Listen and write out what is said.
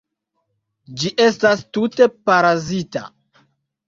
Ĝi estas tute parazita.